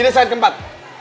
ini saat keempat